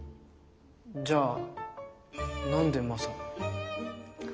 じゃあ何でマサを？